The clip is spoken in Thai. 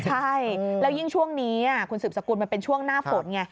ใช่และยิ่งช่วงนี้ครุ่นศึกสกุลมันเป็นช่วงหน้าฝน